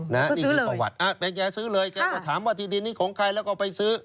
นี่คือประวัติแต่แกซื้อเลยแกก็ถามว่าที่ดินนี้ของใครแล้วก็ไปซื้อ